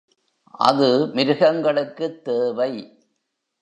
அது மிருகங்களுக்குத் தேவை.